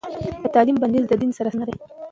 د تعليم بندیز د دین سره سم نه دی.